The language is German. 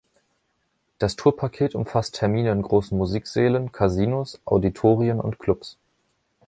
Das Tourpaket umfasst Termine in großen Musiksälen, Casinos, Auditorien und Clubs.